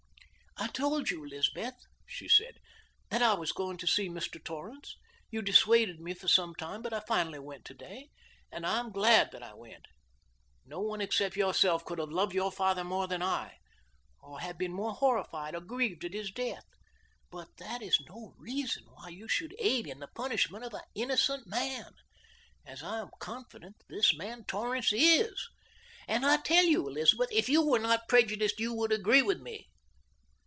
"I told you, Elizabeth," she said, "that I was going to see Mr. Torrance. You dissuaded me for some time, but I finally went today, and I am glad that I went. No one except yourself could have loved your father more than I, or have been more horrified or grieved at his death; but that is no reason why you should aid in the punishment of an innocent man, as I am confident that this man Torrance is, and I tell you Elizabeth if you were not prejudiced you would agree with me.